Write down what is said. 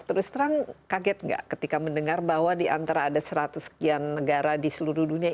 terus terang kaget nggak ketika mendengar bahwa di antara ada seratus sekian negara di seluruh dunia